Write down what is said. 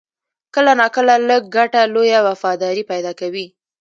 کله ناکله لږ ګټه، لویه وفاداري پیدا کوي.